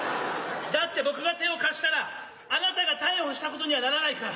だって僕が手を貸したらあなたが逮捕したことにはならないから。